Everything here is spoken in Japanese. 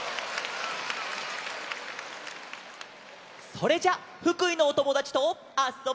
それじゃあ福井のおともだちとあそぼう！